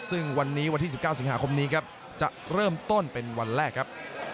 ซึ่งวันนี้วันที่๑๙สิงหาคมนี้ครับจะเริ่มต้นเป็นวันแรกครับ